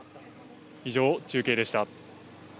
以上、中継でした。